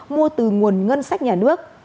mua từ nguồn ngân sách nhà nước